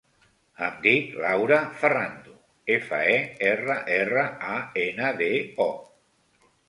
Em dic Laura Ferrando: efa, e, erra, erra, a, ena, de, o.